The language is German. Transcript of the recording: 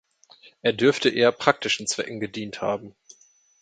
Er dürfte eher praktischen Zwecken gedient haben.